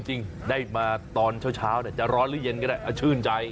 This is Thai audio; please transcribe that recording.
จริงได้มาตอนเช้าจะร้อนหรือเย็นก็ได้ชื่นใจ